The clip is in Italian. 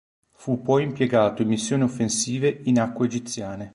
Fu poi impiegato in missioni offensive in acque egiziane.